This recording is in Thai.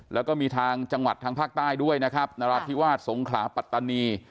แล้วก็มีทางจังหวัดทางภาคใต้ด้วยนะครับนราธิวาสสงขลาปัตตานี